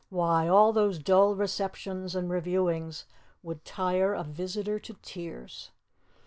"Why, all those dull receptions and reviewings would tire a visitor to tears."